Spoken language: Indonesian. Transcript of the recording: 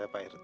iya pak rt